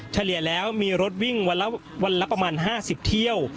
เฉลี่ยแล้วมีรถวิ่งวันละประมาณ๕๐เที่ยว